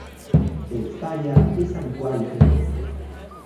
En España es habitual y frecuente.